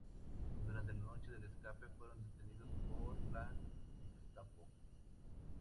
Durante la noche del escape, fueron detenidos por la Gestapo.